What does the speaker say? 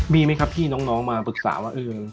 มีไหมครับที่น้องมาปรึกษาว่า